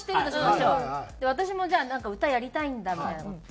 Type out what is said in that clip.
私もじゃあなんか歌やりたいんだみたいな事。